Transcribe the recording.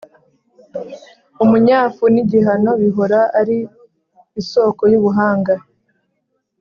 umunyafu n’igihano bihora ari isoko y’ubuhanga.